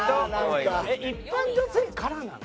えっ一般女性からなの？